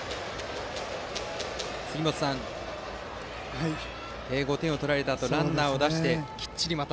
杉本さん、５点を取られたあとランナーを出してきっちりまた。